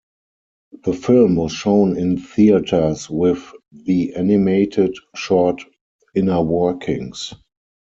The film was shown in theaters with the animated short "Inner Workings".